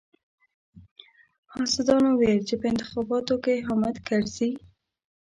حاسدانو ويل چې په انتخاباتو کې حامد کرزي.